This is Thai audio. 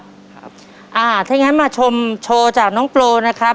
ถ้างั้นมาชมโชว์จากน้องโปรนะครับ